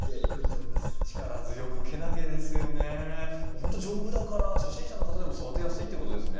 ほんと丈夫だから初心者の方でも育てやすいってことですね。